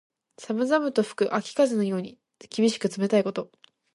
寒々と吹く秋風のように、厳しく冷たいこと。